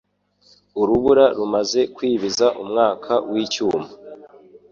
Urubura rumaze kwibiza umwaka wicyuma ...